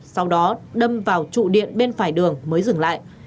sau đó đâm vào trụ điện bên phải đường mới dừng lại